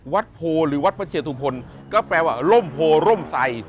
โพหรือวัดพระเชตุพลก็แปลว่าร่มโพร่มใส